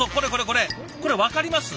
これ分かります？